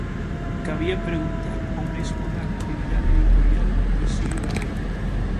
Cabía preguntar o mesmo da actividade editorial do exilio galego.